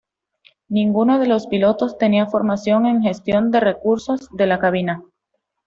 Ninguno de los pilotos tenía formación en gestión de recursos de la cabina.